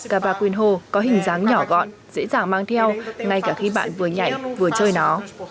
cavacinho có hình dáng nhỏ gọn dễ dàng mang theo ngay cả khi bạn vừa nhạy vừa chơi nó